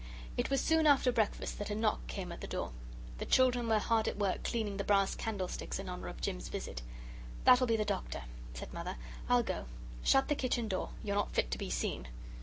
It was soon after breakfast that a knock came at the door. The children were hard at work cleaning the brass candlesticks in honour of Jim's visit. "That'll be the Doctor," said Mother; "I'll go. Shut the kitchen door you're not fit to be seen."